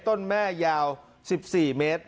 ต้นแม่ยาว๑๔เมตร